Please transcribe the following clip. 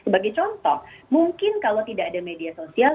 sebagai contoh mungkin kalau tidak ada media sosial